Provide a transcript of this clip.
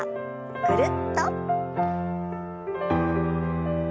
ぐるっと。